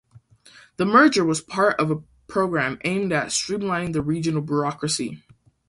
The merger was part of program aimed at streamlining the regional bureaucracy.